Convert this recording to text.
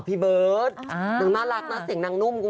พี่เบิร์ตนางน่ารักนะเสียงนางนุ่ม